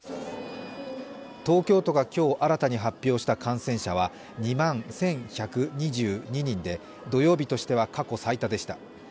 東京都が今日、新たに発表した感染者は２万１１２２人で、土曜日としては過去最多でした。